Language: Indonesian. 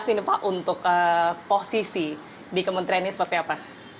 ini pak untuk posisi di kementeriannya seperti apa